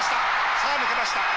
さあ抜けました。